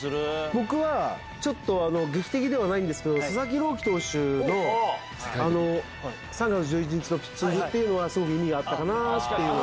僕は劇的ではないんですけど佐々木朗希投手の３月１１日のピッチングというのすごく意味があったかなって。